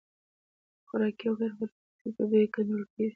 د خوراکي او غیر خوراکي توکو بیې کنټرول کیږي.